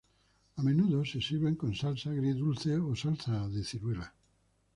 A menudo se sirven con salsa agridulce o salsa de ciruela.